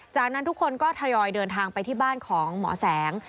จากนั้นทุกคนก็ทยอยเดินทางไปที่บ้านของหมอแสง